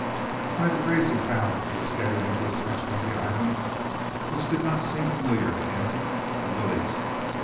By degrees he found that he was getting into a section of the island which did not seem familiar to him in the least.